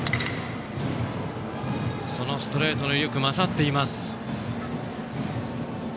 そのストレートの威力勝っています。